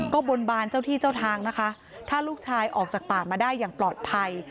ก็บนบานเจ้าที่เจ้าทางนะคะถ้าลูกชายออกจากป่ามาได้อย่างปลอดภัย